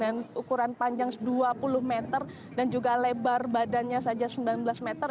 dan ukuran panjang dua puluh meter dan juga lebar badannya saja sembilan belas meter